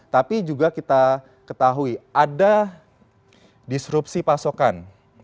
tapi juga kita ketahui ada disrupsi pasokan